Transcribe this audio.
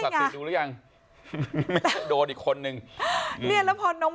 คุณศักดิ์ดูหรือยังโดดอีกคนหนึ่งเนี่ยแล้วพอน้อง